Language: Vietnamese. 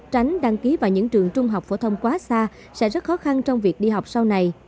tránh đăng ký vào những trường trung học phổ thông quá xa sẽ rất khó khăn trong việc đi học sau này